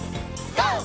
ＧＯ！